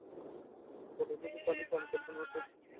কতটুকু পানি পান করবেন তার অনেকটাই মস্তিষ্কের পিপাসা কেন্দ্র বলে দেবে।